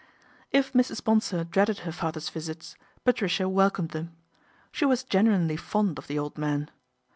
If Mrs. Bonsor dreaded her father's visits, Patricia welcomed them. She was genuinely fond of the old man.